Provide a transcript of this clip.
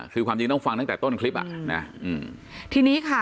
คือความจริงต้องฟังตั้งแต่ต้นคลิปอ่ะนะอืมทีนี้ค่ะ